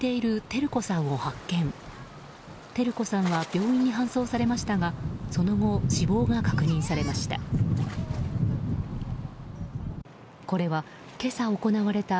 照子さんは病院に搬送されましたがその後、死亡が確認されました。